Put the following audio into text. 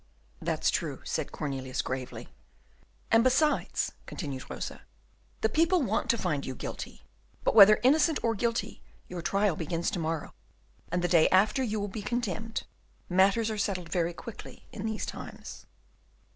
"That's true," said Cornelius, gravely. "And besides," continued Rosa, "the people want to find you guilty. But whether innocent or guilty, your trial begins to morrow, and the day after you will be condemned. Matters are settled very quickly in these times."